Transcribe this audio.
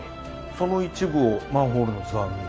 その一部をマンホールの図案に。